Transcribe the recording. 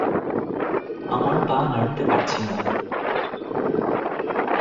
আমার পা নাড়াতে পারছি না!